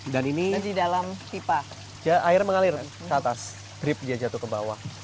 dan ini air mengalir ke atas drip dia jatuh ke bawah